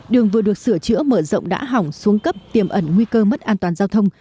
đường vừa được sửa chữa mở rộng đã hỏng xuống cấp tiềm ẩn nguy cơ mất an toàn giao thông